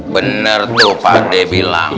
bener tuh padek